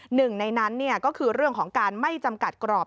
หนึ่งในนั้นก็คือเรื่องของการไม่จำกัดกรอบ